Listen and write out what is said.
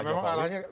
iya memang arahnya